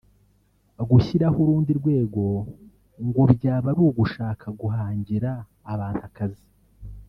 gushyiraho urundi rwego ngo byaba ari ugushaka guhangira abantu akazi